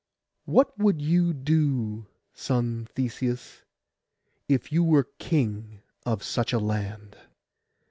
What would you do, son Theseus, if you were king of such a land?